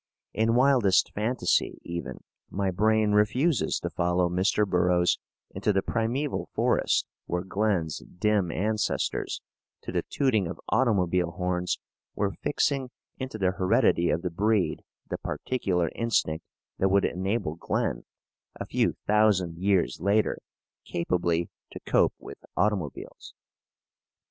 In wildest fantasy, even, my brain refuses to follow Mr. Burroughs into the primeval forest where Glen's dim ancestors, to the tooting of automobile horns, were fixing into the heredity of the breed the particular instinct that would enable Glen, a few thousand years later, capably to cope with automobiles.